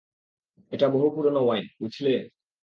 এটা বহু পুরানো ওয়াইন, বুঝলে?